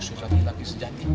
susah lagi sejati